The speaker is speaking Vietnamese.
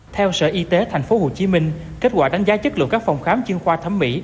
theo sở y tế tp hcm kết quả đánh giá chất lượng các phòng khám chuyên khoa thẩm mỹ